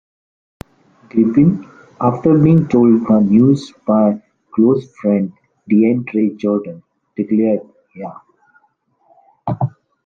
Griffin, after being told the news by close friend DeAndre Jordan, declared, Yeah!